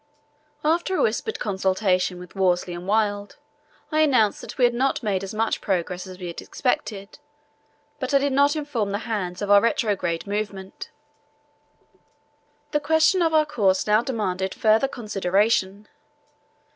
After a whispered consultation with Worsley and Wild, I announced that we had not made as much progress as we expected, but I did not inform the hands of our retrograde movement. The question of our course now demanded further consideration.